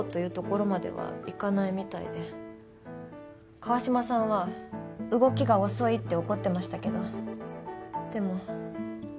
川島さんは動きが遅いって怒ってましたけどでも。